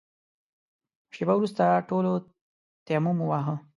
شېبه وروسته ټولو تيمم وواهه.